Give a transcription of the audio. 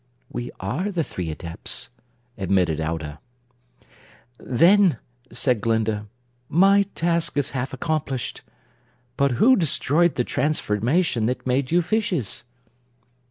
"We are the three Adepts," admitted Aujah. "Then," said Glinda, "my task is half accomplished. But who destroyed the transformation that made you fishes?"